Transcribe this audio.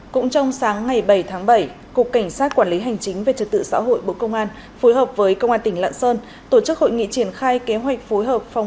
cũng trong sáng ngày bảy tháng bảy cục cảnh sát quản lý hành chính về trật tự xã hội bộ công an phối hợp với công an tỉnh lạng sơn